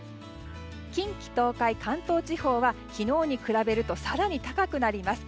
近畿・東海関東地方は昨日に比べると更に高くなります。